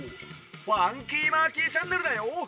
『ファンキーマーキーチャンネル』だよ！